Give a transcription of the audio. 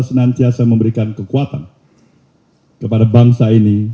senantiasa memberikan kekuatan kepada bangsa ini